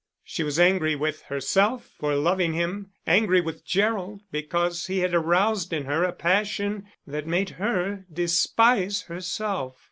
She was angry with herself for loving him, angry with Gerald because he had aroused in her a passion that made her despise herself.